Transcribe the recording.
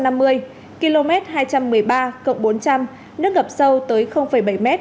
nước ngập sâu tới bảy m